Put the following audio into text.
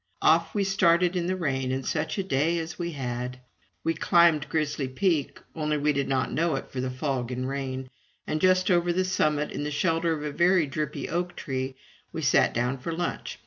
Off we started in the rain, and such a day as we had! We climbed Grizzly Peak, only we did not know it for the fog and rain, and just over the summit, in the shelter of a very drippy oak tree, we sat down for lunch.